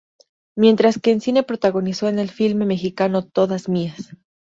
Mientras que en cine protagonizó en el filme mexicano Todas Mías.